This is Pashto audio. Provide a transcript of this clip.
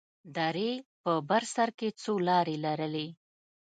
درې په بر سر کښې څو لارې لرلې.